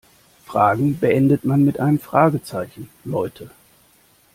Fragen beendet man mit einem Fragezeichen, Leute!